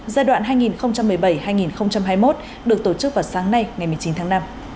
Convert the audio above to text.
giai đoạn hai nghìn một mươi bảy hai nghìn hai mươi một được tổ chức vào sáng nay ngày một mươi chín tháng năm